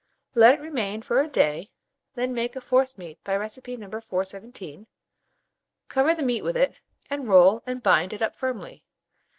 Let it remain for a day, then make a forcemeat by recipe No. 417, cover the meat with it, and roll and bind it up firmly.